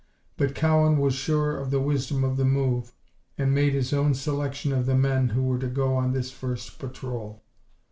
But Cowan was sure of the wisdom of the move, and made his own selection of the men who were to go on this first patrol.